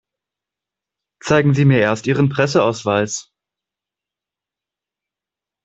Zeigen Sie mir erst Ihren Presseausweis.